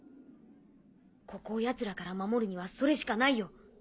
ここをヤツらから守るにはそれしかないよ。